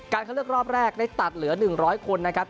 การคันเลือกรอบแรกได้ตัดเหลือ๑๐๐คนนะครับ